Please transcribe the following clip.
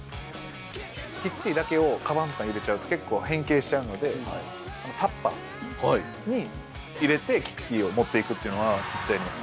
キックティーだけをかばんに入れちゃうと、結構変形しちゃうんで、タッパーに入れてキックティーを持っていくというのはずっとやります。